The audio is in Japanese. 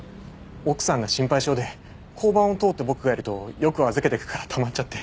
奥さんが心配性で交番を通って僕がいるとよく預けていくからたまっちゃって。